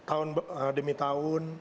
tahun demi tahun